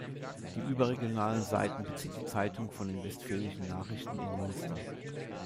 Die überregionalen Seiten bezieht die Zeitung von den Westfälischen Nachrichten in Münster.